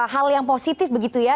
hal yang positif begitu ya